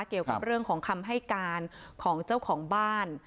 เกี่ยวกับเรื่องของคำให้การของเจ้าของบ้าน